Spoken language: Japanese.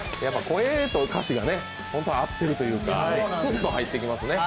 声と歌詞が合ってるというか、スッと入ってきますね。